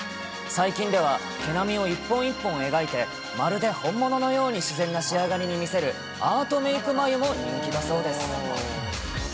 最近では、毛並みを一本一本描いて、まるで本物のように自然な仕上がりに見せる、アートメーク眉も人気だそうです。